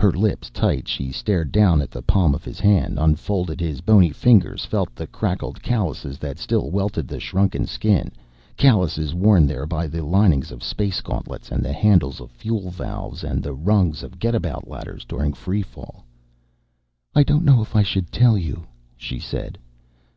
Her lips tight, she stared down at the palm of his hand, unfolded his bony fingers, felt the cracked calluses that still welted the shrunken skin, calluses worn there by the linings of space gauntlets and the handles of fuel valves, and the rungs of get about ladders during free fall. "I don't know if I should tell you," she said.